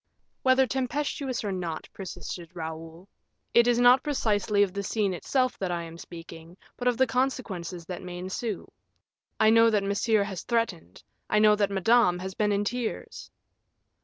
"Whether tempestuous or not," persisted Raoul, "it is not precisely of the scene itself that I am speaking, but of the consequences that may ensue. I know that Monsieur has threatened, I know that Madame has been in tears."